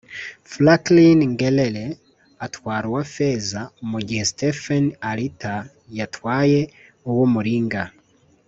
Frankline Ngelel atwara uwa feza mu gihe Stephen Arita yatwaye uw’umuringa